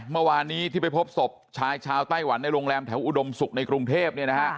เมื่อวานนี้ที่ไปพบศพชายชาวไต้หวันในโรงแรมแถวอุดมศุกร์ในกรุงเทพเนี่ยนะฮะ